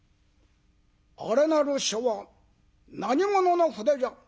「あれなる書は何者の筆じゃ？」。